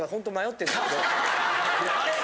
あれ？